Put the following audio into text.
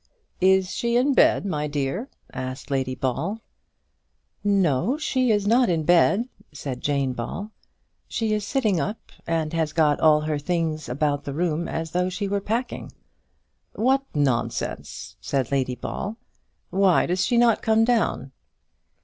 "Is she in bed, my dear?" asked Lady Ball. "No, she is not in bed," said Jane Ball. "She is sitting up, and has got all her things about the room as though she were packing." "What nonsense!" said Lady Ball; "why does she not come down?"